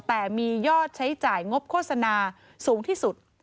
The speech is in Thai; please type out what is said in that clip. แต่มียอดใช้จ่ายงบโฆษณาสูงที่สุด